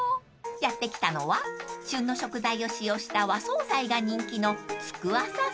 ［やって来たのは旬の食材を使用した和総菜が人気の］